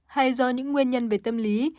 hay do những nguyên nhân về tâm lý